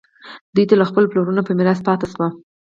دوی ته له خپلو پلرونو په میراث پاتې شوي.